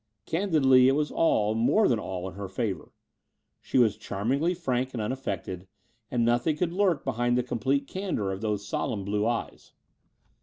Candidly it was all, more than all, in her favour. She was charmingly frank and unaffected: and nothing could lurk behind the complete candour of those solenm blue eyes.